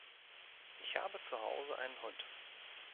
Ich habe zuhause einen Hund.